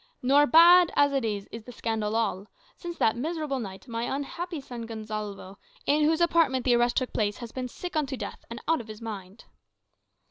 Nor, bad as it is, is the scandal all. Since that miserable night, my unhappy son Gonsalvo, in whose apartment the arrest took place, has been sick unto death, and out of his mind."